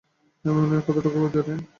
আামার মধ্যে উনি কতটুকু পেতে পারেন?